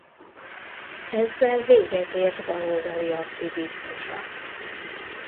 Ezzel véget ért baloldali aktivizmusa.